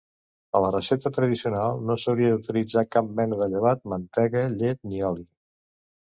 A la recepta tradicional no s'hauria d'utilitzar cap mena de llevat, mantega, llet ni oli.